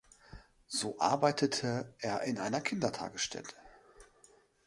So arbeitete er in einer Kindertagesstätte.